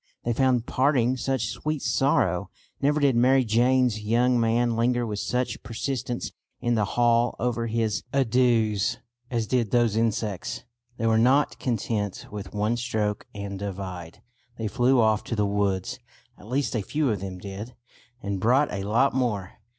They found parting such sweet sorrow. Never did Mary Jane's young man linger with such persistence in the hall over his adieus as did those insects. They were not content with "one stroke and divide." They flew off to the woods at least a few of them did and brought a lot more.